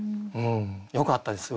よかったです